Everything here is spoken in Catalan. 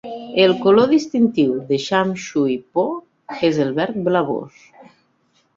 El color distintiu de Sham Shui Po és el verd blavós.